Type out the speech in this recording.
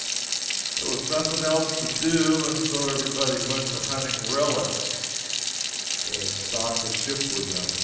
There was nothing else to do, and so every body went to hunting relics. They have stocked the ship with them.